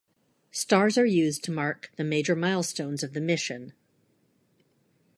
Stars are used to mark the major milestones of the mission.